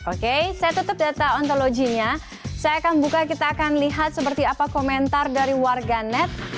oke saya tutup data ontologinya saya akan buka kita akan lihat seperti apa komentar dari warga net